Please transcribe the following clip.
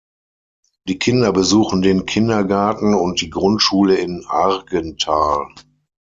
Die Kinder besuchen den Kindergarten und die Grundschule in Argenthal.